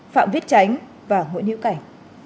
phạm viết tránh và nguyễn hữu cảnh